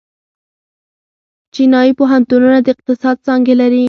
چینايي پوهنتونونه د اقتصاد څانګې لري.